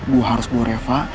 gue harus bawa reva